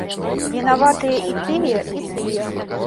Вінаваты і тыя, і тыя.